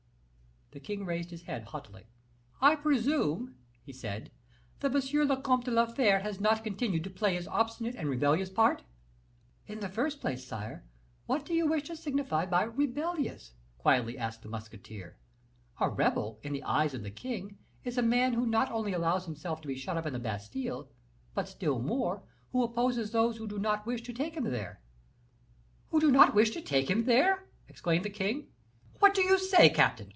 The king raised his head haughtily. "I presume," he said, "that M. le Comte de la Fere has not continued to play his obstinate and rebellious part." "In the first place, sire, what do you wish to signify by rebellious?" quietly asked the musketeer. "A rebel, in the eyes of the king, is a man who not only allows himself to be shut up in the Bastile, but still more, who opposes those who do not wish to take him there." "Who do not wish to take him there!" exclaimed the king. "What do you say, captain!